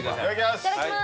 いただきます！